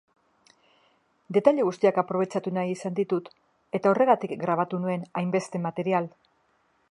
Detaile guztiak aprobetxatu nahi izan ditut, eta horregatik grabatu nuen hainbeste material.